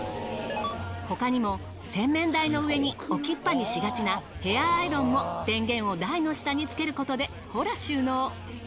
他にも洗面台の上に置きっぱにしがちなヘアアイロンも電源を台の下につけることでほら収納。